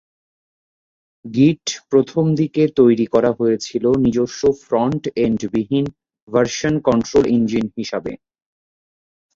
গিট প্রথমদিকে তৈরি করা হয়েছিল নিজস্ব ফ্রন্ট-এন্ড বিহীন ভার্সন-কন্ট্রোল ইঞ্জিন হিসাবে।